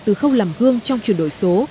từ không làm hương trong chuyển đổi số